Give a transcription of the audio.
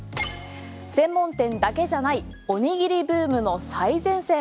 専門店だけじゃないおにぎりブームの最前線。